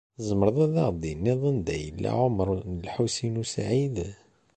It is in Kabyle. Tzemreḍ ad aɣ-d-tiniḍ anda yella Ɛumaṛ n Lḥusin u Saɛid?